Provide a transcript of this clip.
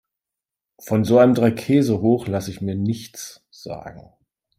Von so einem Dreikäsehoch lasse ich mir nichts sagen.